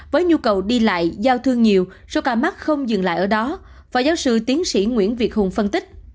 với nhu cầu đi lại giao thương nhiều số ca mắc không dừng lại ở đó phó giáo sư tiến sĩ nguyễn việt hùng phân tích